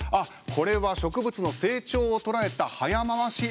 これは植物の成長を捉えた早回し映像のようです。